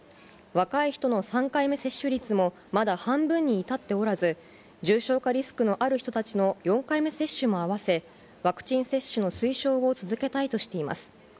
若い人の３回目接種率もまだ半分に至っておらず、重症化リスクのある人たちの４回目接種も合わせ、ワクチン接種の推奨を続けたいとしています。